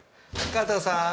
加藤さーん。